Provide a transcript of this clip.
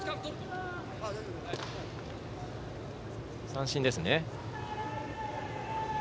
三振ですね。